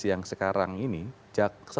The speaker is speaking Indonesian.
yang sekarang ini caksa